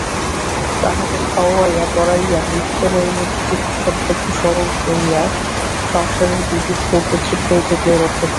তাঁহাকে খাওয়াইয়া পরাইয়া নিত্যনৈমিত্তিক কর্তব্য স্মরণ করাইয়া সংসারের বিবিধ উপদ্রব হইতে কে রক্ষা করিবে।